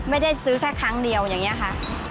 ไม่ได้ซื้อแค่ครั้งเดียวอย่างนี้ค่ะ